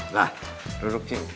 nah duduk sini